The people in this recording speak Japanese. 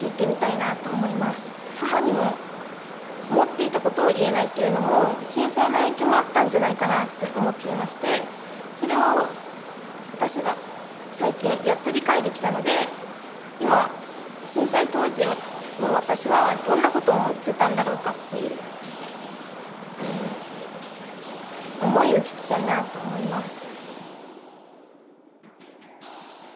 母にも思っていたことを言えないっていうのも震災の影響もあったんじゃないかなって思っていましてそれを私が最近やっと理解できたので今震災当時の私はどんなことを思っていたんだろうかっていう思いを聞きたいなと思います。